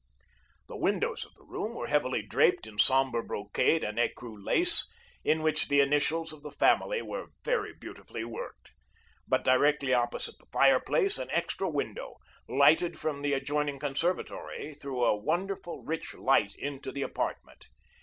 The windows of the room were heavily draped in sombre brocade and ecru lace, in which the initials of the family were very beautifully worked. But directly opposite the fireplace, an extra window, lighted from the adjoining conservatory, threw a wonderful, rich light into the apartment.